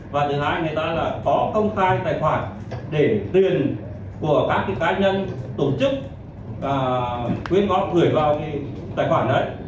và thứ hai người ta là có công khai tài khoản để tiền của các cá nhân tổ chức quyên góp gửi vào cái tài khoản đấy